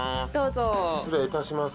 失礼いたします！